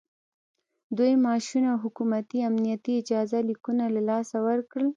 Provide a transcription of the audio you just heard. دوی معاشونه او حکومتي امنیتي اجازه لیکونه له لاسه ورکړل